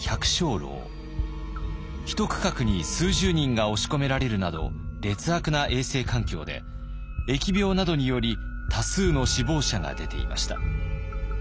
一区画に数十人が押し込められるなど劣悪な衛生環境で疫病などにより多数の死亡者が出ていました。